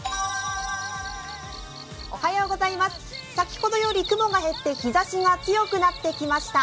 先ほどより雲が減って日ざしが強くなってきました。